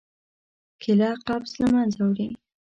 کېله قبض له منځه وړي.